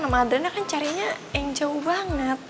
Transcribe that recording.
sama adrena kan carinya yang jauh banget